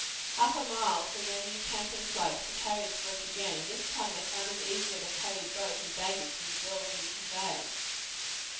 Half a mile from their new camping place the carriage broke again, and this time they found it easier to carry boat and baggage than to build a new conveyance.